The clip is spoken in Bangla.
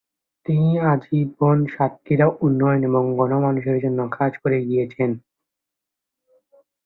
তিনি আজীবন সাতক্ষীরা উন্নয়ন এবং গণ-মানুষের জন্য কাজ করে গিয়েছেন।